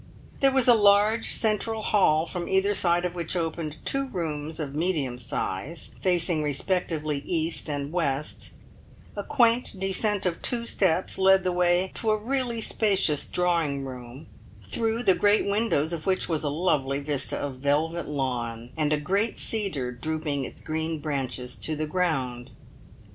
There was a large central hall from either side of which opened two rooms of medium size, facing respectively east and west; a quaint descent of two steps led the way to a really spacious drawing room, through the great windows of which was a lovely vista of velvet lawn, and a great cedar drooping its green branches to the ground.